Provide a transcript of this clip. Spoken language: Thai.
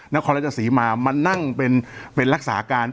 นครราชสีมามานั่งเป็นรักษาการ